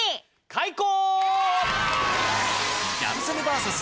開講！